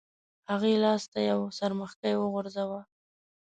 هغې لاس ته یو څرمښکۍ وغورځاوه.